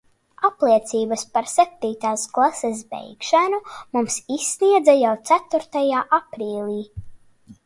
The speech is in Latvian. Apliecības par septītās klases beigšanu mums izsniedza jau ceturtajā aprīlī.